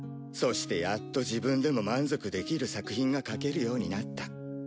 そしてやっと自分でも満足できる作品が書けるようになった。